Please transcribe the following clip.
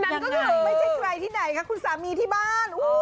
นั่นก็คือไม่ใช่ใครที่ไหนคะคุณสามีที่บ้าน